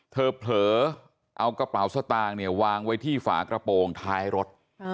เผลอเอากระเป๋าสตางค์เนี่ยวางไว้ที่ฝากระโปรงท้ายรถ